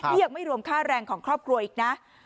นี่ยังไม่รวมค่าแรงของครอบครัวอีกนะ